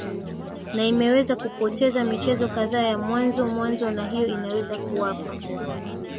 na imeweza kupoteza michezo kadhaa ya mwanzo mwanzo na hiyo inaweza kuwapa